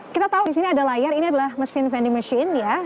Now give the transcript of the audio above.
kita tahu di sini ada layar ini adalah mesin vending machine ya